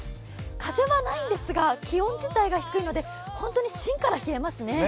風はないんですが気温自体が低いので本当に芯から冷えますね。